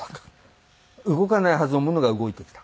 動かないはずのものが動いてきた。